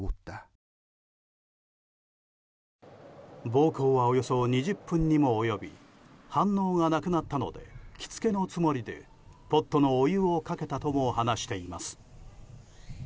暴行は、およそ２０分にも及び反応がなくなったので気付けのつもりでポットのお湯をかけたとも話しています。